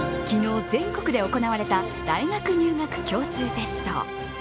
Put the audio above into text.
昨日、全国で行われた大学入学共通テスト。